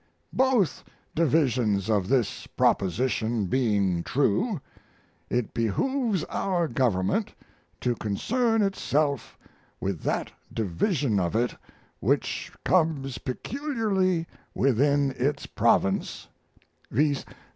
Both divisions of this proposition being true, it behooves our government to concern itself with that division of it which comes peculiarly within its province viz.